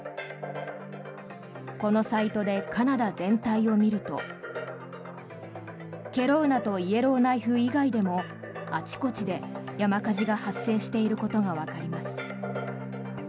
このサイトでカナダ全体を見るとケロウナとイエローナイフ以外でもあちこちで山火事が発生していることがわかります。